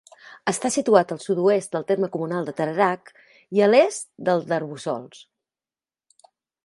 Està situat al sud-oest del terme comunal de Tarerac, i a l'est del d'Arboçols.